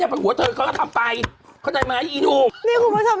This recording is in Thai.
เต็มเป็นหัวเธอเขาก็ธรรมไปเขาใจไหมอีหลุมนี่คุณผู้ชม